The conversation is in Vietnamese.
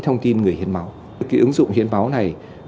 thông tin người hiến máu cái ứng dụng hiến máu này